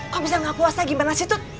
kok bisa gak puasa gimana sih tuh